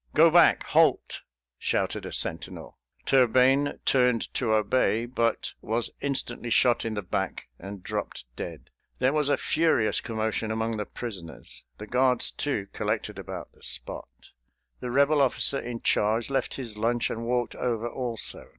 "Go back, halt!" shouted a sentinel. Turbayne turned to obey, but was instantly shot in the back and dropped dead. There was a furious commotion among the prisoners. The guards, too, collected about the spot. The Rebel officer in charge left his lunch and walked over also.